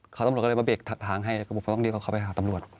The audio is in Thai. เขาตำรวจก็เลยมาเบรกทางให้เขาบอกเขาต้องเรียกเขาไปหาตำรวจ